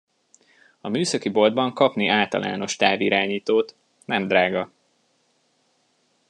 A műszaki boltban kapni általános távirányítót, nem drága.